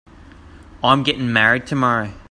I'm getting married tomorrow.